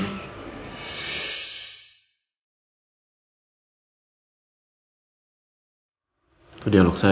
itu dialog saya ya